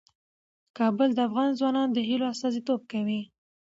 کابل د افغان ځوانانو د هیلو استازیتوب کوي.